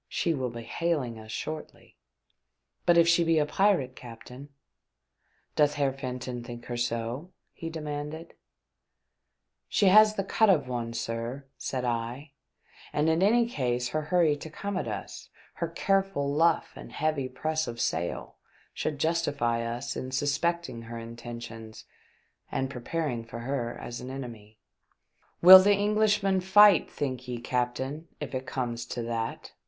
She will be hailing us shortly." " But if she be a pirate, captain ?"" Doth Heer Fenton still think her so ?" he demanded. THE DEATH SHIP IS BOARDED EY A PIRATE, 359 " She has the cut of one, sir," said I ; "and in any case her hurry to come at us, her careful luff and heavy press of sail, should justify us in suspecting her intentions and preparing for her as an enemy." "Will the Englishman fight, think ye, captain, if it comes to that